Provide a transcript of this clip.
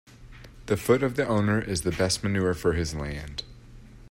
The foot of the owner is the best manure for his land.